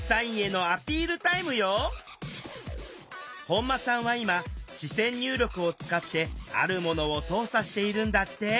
本間さんは今視線入力を使ってあるものを操作しているんだって。